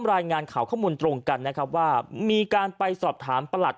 รายงานข่าวข้อมูลตรงกันนะครับว่ามีการไปสอบถามประหลัด